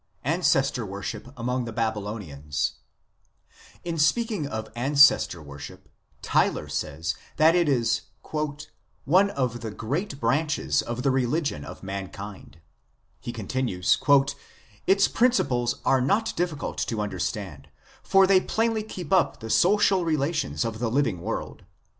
ANCESTOR WORSHIP AMONG THE BABYLONIANS In speaking of Ancestor worship Tylor says that it is " one of the great branches of the religion of mankind. COLL.C ANCESTOR WORSHIP 99 Its principles," he continues, " are not difficult to under stand, for they plainly keep up the social relations of the living world.